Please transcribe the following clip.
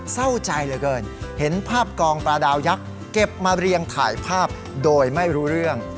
เศร้าใจเหลือเกินเห็นภาพกองปลาดาวยักษ์เก็บมาเรียงถ่ายภาพโดยไม่รู้เรื่อง